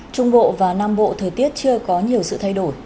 trung bộ và nam bộ thời tiết chưa có nhiều sự thay đổi